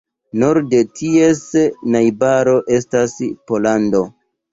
Norde ties najbaro estas Pollando.